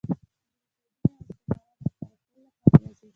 ځیني قیدونه یوازي د مانا د ښکاره کولو له پاره راځي.